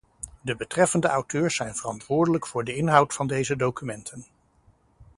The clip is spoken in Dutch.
De betreffende auteurs zijn verantwoordelijk voor de inhoud van deze documenten.